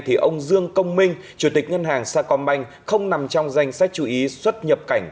thì ông dương công minh chủ tịch ngân hàng sa công banh không nằm trong danh sách chú ý xuất nhập cảnh